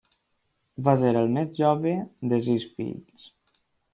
Va ser el més jove de sis fills.